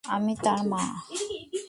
আমি তার মা।